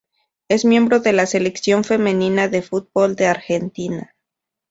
Es miembro de la selección femenina de fútbol de Argentina.